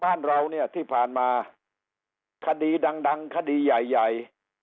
บ้านเราเนี่ยที่ผ่านมาคดีดังดังคดีใหญ่ใหญ่